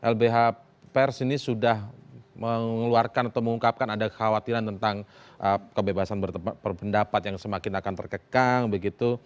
lbh pers ini sudah mengeluarkan atau mengungkapkan ada kekhawatiran tentang kebebasan berpendapat yang semakin akan terkekang begitu